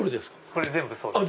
これ全部そうです。